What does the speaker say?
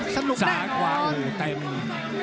สนุกแน่นอน